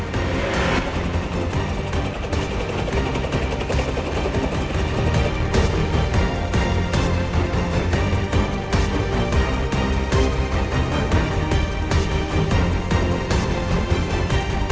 terima kasih atas dukungan anda